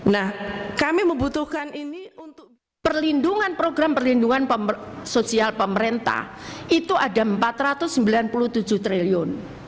nah kami membutuhkan ini untuk perlindungan program perlindungan sosial pemerintah itu ada rp empat ratus sembilan puluh tujuh triliun